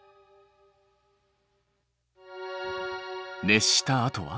熱したあとは？